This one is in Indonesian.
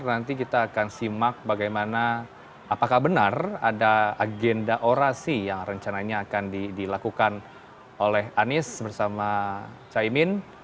nanti kita akan simak bagaimana apakah benar ada agenda orasi yang rencananya akan dilakukan oleh anies bersama caimin